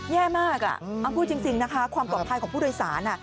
แย่มากพูดจริงนะคะความปลอดภัยของผู้โดยสาร